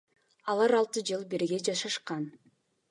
Алар алты жыл бирге жашашкан.